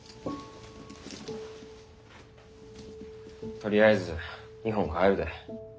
とりあえず日本帰るで。